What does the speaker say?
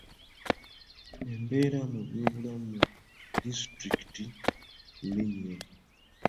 Embeera mu byobulamu mu disitulikiti mbi nnyo.